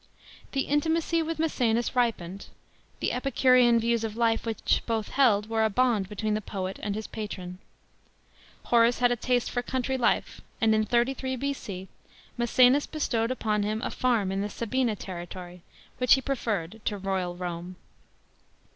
§ The intimacy with Maecenas ripened; the Epicurean views of life which both held were a Injnd between the poet and his patron. Horace had a taste for country liie, and in 33 B.C. Maecenas bestowed upon him a farm in the Sabine territory, which he preferred to "royal Rome."